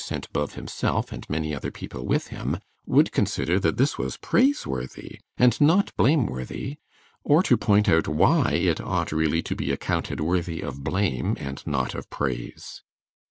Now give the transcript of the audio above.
Sainte Beuve himself, and many other people with him, would consider that this was praiseworthy and not blameworthy, or to point out why it ought really to be accounted worthy of blame and not of praise.